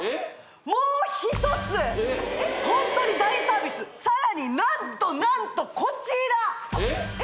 もう一つホントに大サービスさらに何と何とこちらえ！？